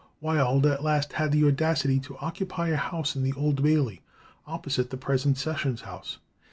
Wild at last had the audacity to occupy a house in the Old Bailey, opposite the present Sessions House.